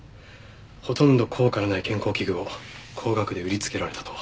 ほとんど効果のない健康器具を高額で売りつけられたと。